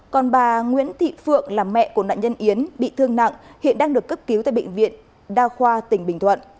còn bà nguyễn thị phượng là mẹ của nạn nhân yến bị thương nặng hiện đang được cấp cứu tại bệnh viện đa khoa tỉnh bình thuận